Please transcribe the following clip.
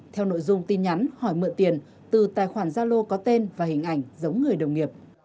theo nội dung tin nhắn hỏi mượn tiền từ tài khoản gia lô có tên và hình ảnh giống người đồng nghiệp